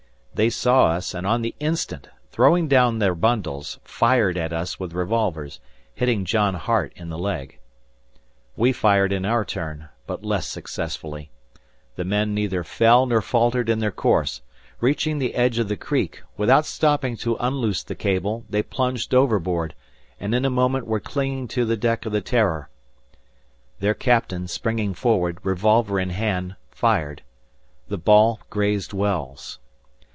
They saw us and, on the instant, throwing down their bundles, fired at us with revolvers, hitting John Hart in the leg. We fired in our turn, but less successfully. The men neither fell nor faltered in their course. Reaching the edge of the creek, without stopping to unloose the cable, they plunged overboard, and in a moment were clinging to the deck of the "Terror." Their captain, springing forward, revolver in hand, fired. The ball grazed Wells.